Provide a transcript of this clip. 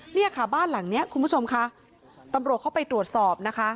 เนี่ยค่ะบ้านหลังเนี้ยคุณผู้ชมค่ะตำรวจเข้าไปตรวจสอบนะคะ